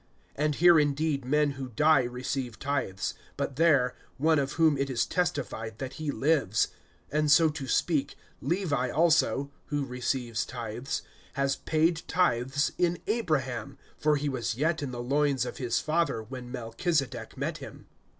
(8)And here indeed men who die receive tithes; but there, one of whom it is testified that he lives. (9)And so to speak, Levi also, who receives tithes, has paid tithes in Abraham; (10)for he was yet in the loins of his father, when Melchizedek met him.